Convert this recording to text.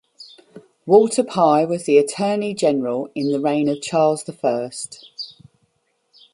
Walter Pye was Attorney General in the reign of Charles the First.